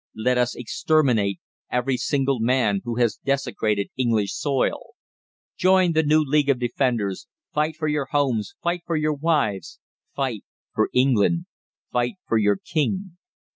Let us exterminate every single man who has desecrated English soil. Join the New League of Defenders. Fight for your homes. Fight for your wives. Fight for England. FIGHT FOR YOUR KING!